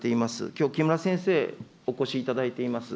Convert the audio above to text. きょう、木村先生、お越しいただいています。